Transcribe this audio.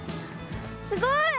すごい。